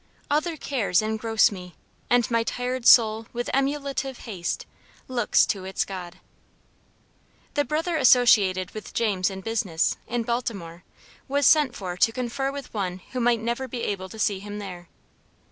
"Other cares engross me, and my tired soul with emulative haste, Looks to its God." THE brother associated with James in business, in Baltimore, was sent for to confer with one who might never be able to see him there.